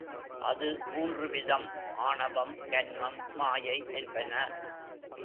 அது மூன்று விதம் ஆணவம், கன்மம், மாயை என்பன.